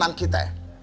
nih jangan berpikir pikir